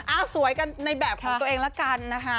สวยกันในแบบของตัวเองละกันนะคะ